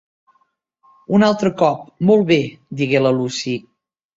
"Un altre cop, molt bé", digué la Lucy.